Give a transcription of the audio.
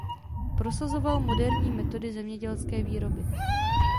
Prosazoval moderní metody zemědělské výroby.